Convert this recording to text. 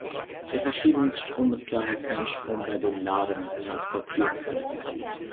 Der Verschiebungsstrom ist daher kein Strom, bei dem Ladung transportiert wird.